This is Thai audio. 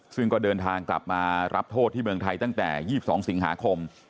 ซึ่งก็เดินทางกลับมารับโทษที่เมืองไทยตั้งแต่๒๒สิงหาคม